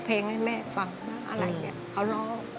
เพลงให้แม่ฟังอะไรเขาร้อง